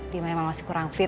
dia memang masih kurang fit